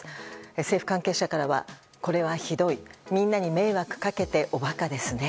政府関係者からは、これはひどいみんなに迷惑かけてお馬鹿ですね。